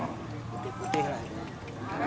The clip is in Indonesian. putih putih lah ini